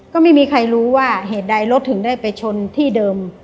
ก็ไม่มีใครรู้ว่าเหตุใดรถถึงได้ไปชนที่เดิม